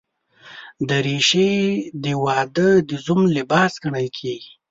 دریشي د واده د زوم لباس ګڼل کېږي.